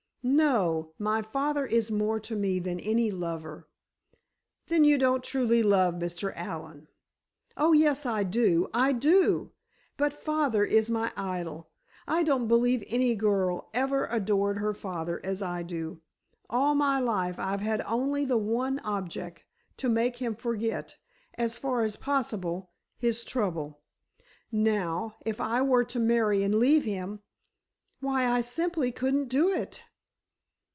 "No; my father is more to me than any lover." "Then you don't truly love Mr. Allen." "Oh, yes, I do—I do! But father is my idol. I don't believe any girl ever adored her father as I do. All my life I've had only the one object—to make him forget—as far as possible, his trouble. Now, if I were to marry and leave him—why, I simply couldn't do it!"